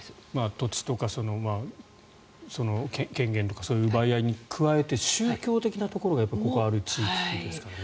土地とか権限とかそういう奪い合いに加えて宗教的なところがここはある地域ですからね。